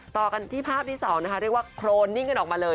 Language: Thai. ต่อกันที่ภาพที่๒นะคะเรียกว่าโครนนิ่งกันออกมาเลย